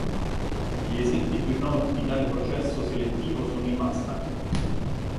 Gli esempi più noti di tale processo selettivo sono i mustang.